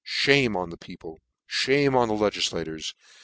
Shame on the peo ple ! Shame on the legiflators